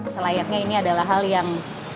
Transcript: selayaknya ini adalah hal yang